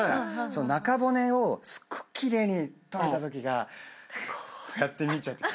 中骨をすっごく奇麗に取れたときがこうやって見ちゃって。